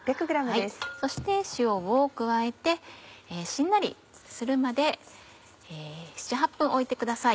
そして塩を加えてしんなりするまで７８分おいてください。